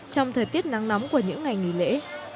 trong thời tiết nắng nóng của những ngày nghỉ lễ